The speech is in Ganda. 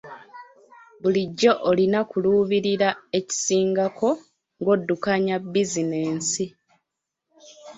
Bulijjo olina kuluubirira ekisingako ng'oddukanya bizinensi.